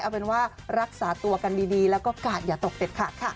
เอาเป็นว่ารักษาตัวกันดีแล้วก็กาดอย่าตกเด็ดขาดค่ะ